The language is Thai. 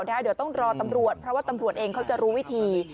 เดี๋ยวต้องรอตำรวจเพราะว่าตำรวจเองเขาจะรู้วิธี